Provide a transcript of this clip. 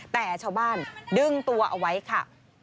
แต่ชาวบ้านดึงตัวเอาไว้ค่ะ